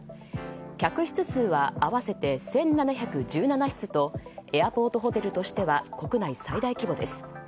客室数は合わせて１７１７室とエアポートホテルとしては国内最大規模です。